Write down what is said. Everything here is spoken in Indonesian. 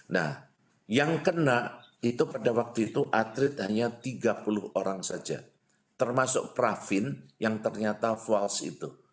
nah yang kena itu pada waktu itu atlet hanya tiga puluh orang saja termasuk pravin yang ternyata false itu